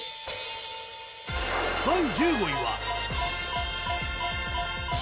第１５位は。